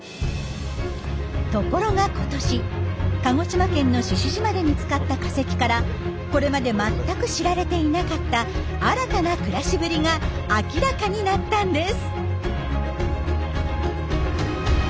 ところが今年鹿児島県の獅子島で見つかった化石からこれまで全く知られていなかった新たな暮らしぶりが明らかになったんです。